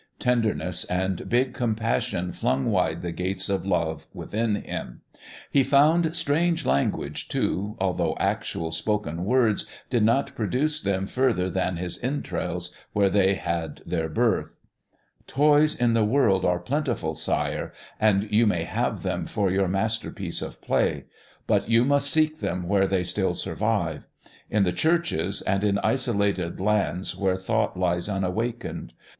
Tenderness and big compassion flung wide the gates of love within him. He found strange language, too, although actual, spoken words did not produce them further than his entrails where they had their birth. "Toys in the world are plentiful, Sire, and you may have them for your masterpiece of play. But you must seek them where they still survive; in the churches, and in isolated lands where thought lies unawakened.